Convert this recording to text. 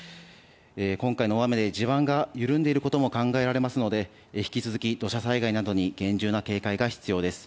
今回の大雨で地盤が緩んでいることも考えられますので引き続き、土砂災害などに厳重な警戒が必要です。